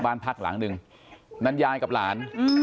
บ้านพักหลังหนึ่งนั้นยายกับหลาน